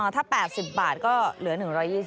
ถ้า๘๐บาทก็เหลือ๑๒๐